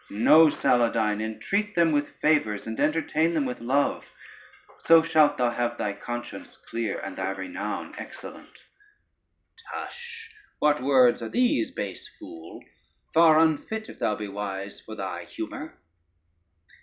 No, Saladyne, entreat them with favors, and entertain them with love, so shalt thou have thy conscience clear and thy renown excellent. Tush, what words are these, base fool, far unfit (if thou be wise) for thy humor?